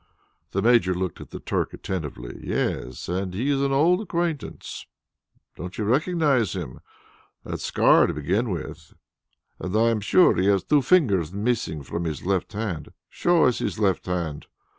The Major looked at the Turk attentively. "Yes, and he is also an old acquaintance. Don't you recognize him. That scar to begin with, and I am sure he has two fingers missing from his left hand. Show us his left hand."